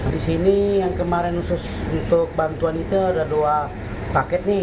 di sini yang kemarin khusus untuk bantuan itu ada dua paket nih